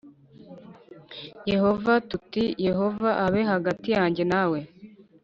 Yehova tuti yehova abe hagati yanjye nawe